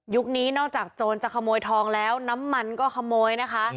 นี้นอกจากโจรจะขโมยทองแล้วน้ำมันก็ขโมยนะคะ